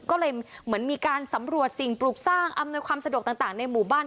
ก็เลยเหมือนมีการสำรวจสิ่งปลูกสร้างอำนวยความสะดวกต่างในหมู่บ้าน